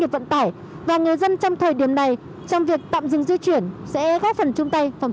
vận tải và người dân trong thời điểm này trong việc tạm dừng di chuyển sẽ góp phần chung tay phòng